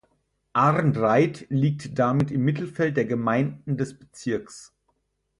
Arnreit liegt damit im Mittelfeld der Gemeinden des Bezirks.